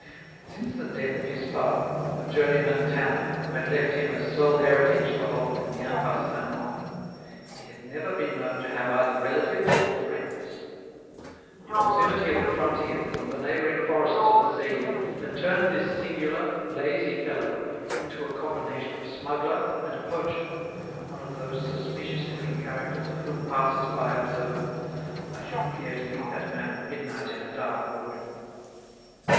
Since the death of his father, a journeyman tanner who had left him as sole heritage the hovel in the Impasse Saint Mittre, he had never been known to have either relatives or friends. The proximity of the frontiers and the neighbouring forests of the Seille had turned this singular, lazy fellow into a combination of smuggler and poacher, one of those suspicious looking characters of whom passers by observe: "I shouldn't care to meet that man at midnight in a dark wood."